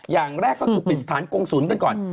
อย่างแรกก็เป็นฐานกงศูนย์กันก่อน